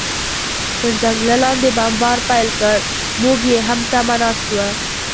تر ځنګله لاندې بمبار پیل کړ، موږ یې هم تمه ناست و.